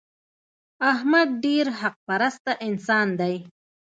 احمد ډېر حق پرسته انسان دی.